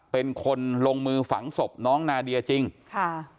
เป็นคนลงมือฝังศพน้องนาเดียจริงค่ะ